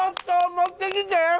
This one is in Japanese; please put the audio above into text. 持ってきてえ！